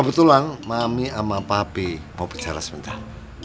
kebetulan mami sama pape mau bicara sebentar